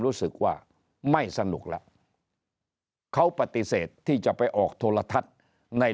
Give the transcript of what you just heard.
รู้สึกว่าไม่สนุกแล้วเขาปฏิเสธที่จะไปออกโทรทัศน์ใน